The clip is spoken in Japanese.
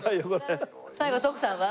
最後徳さんは？